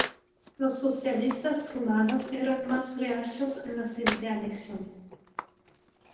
Los socialistas rumanos eran más reacios a la simple anexión.